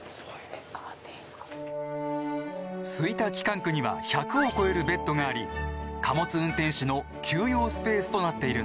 吹田機関区には１００を超えるベッドがあり貨物運転士の休養スペースとなっているんです。